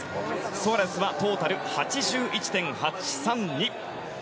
ソアレスはトータル８１．８３２。